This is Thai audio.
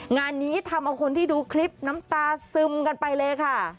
งานนี้ทำเอาคนที่ดูคลิปน้ำตาซึมกันไปเลยค่ะ